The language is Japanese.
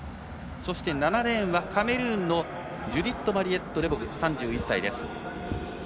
７レーンはカメルーンのジュディットマリエット・レボグ３１歳です。